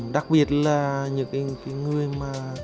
đặc biệt là những người mà